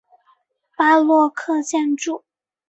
巴洛克建筑。